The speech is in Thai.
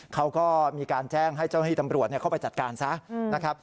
เขาก็มีการแจ้งให้เจ้าหน้าที่ตำรวจเข้าไปจัดการซะนะครับ